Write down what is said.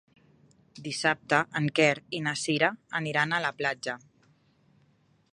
Dissabte en Quer i na Cira aniran a la platja.